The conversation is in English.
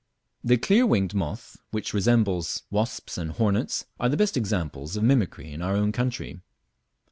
The clear winged moth which resemble wasps and hornets are the best examples of "mimicry" in our own country.